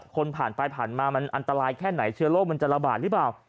ผ่านไปผ่านมามันอันตรายแค่ไหนเชื้อโรคมันจะระบาดหรือเปล่า